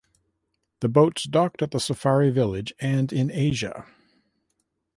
The boats docked at the Safari Village and in Asia.